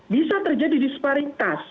bisa terjadi disparitas